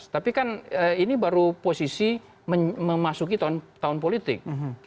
tapi kan ini baru posisi memasuki tahun politik